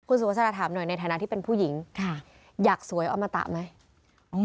สุภาษาถามหน่อยในฐานะที่เป็นผู้หญิงค่ะอยากสวยอมตะไหม